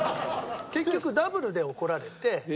結局ダブルで怒られて。